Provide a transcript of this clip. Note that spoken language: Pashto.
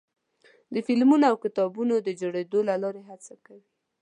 د فلمونو او کتابونو د جوړېدو له لارې هڅه کوي.